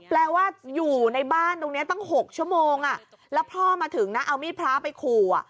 แปลว่าอยู่ในบ้านตรงนี้ตั้ง๖ชั่วโมงแล้วพ่อมาถึงนะเอามีดพระไปขู่